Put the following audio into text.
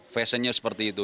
fashionnya seperti itu